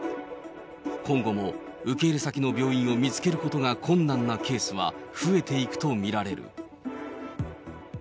今後も受け入れ先の病院を見つけることが困難なケースは増えていくと見られる。